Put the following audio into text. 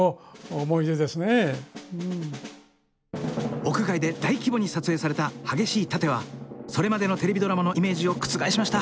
屋外で大規模に撮影された激しい殺陣はそれまでのテレビドラマのイメージを覆しました。